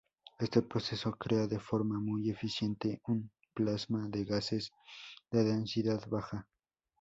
Este proceso crea de forma muy eficiente un plasma en gases de densidad baja.